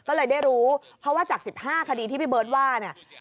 ก็เลยได้รู้เพราะว่าจาก๑๕คดีที่พี่เบิร์ตว่าเนี่ย